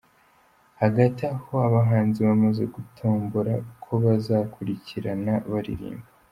Hagati aho abahanzi bamaze gutombora uko baza gukurikirana baririmba.